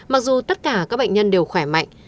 mặc dù tất cả các bệnh nhân đều khỏe mạnh